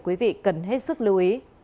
quý vị cần hết sức lưu ý